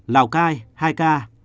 lào cai hai ca